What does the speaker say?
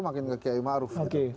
makin ke km aruf